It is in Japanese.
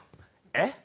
えっ？